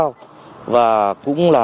và cũng là xây dựng được các lực lượng công an